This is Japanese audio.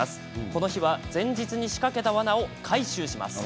この日は、前日に仕掛けたわなを回収します。